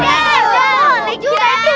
ya boleh juga